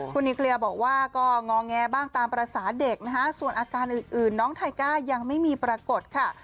คุณนิเกลือบอกว่าก็งอแงบ้างตามภาษาเด็กนะคะส่วนอาการอื่นน้องไทก้ายังไม่มีปรากฏค่ะ